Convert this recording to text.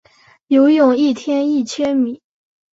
游泳一天一千米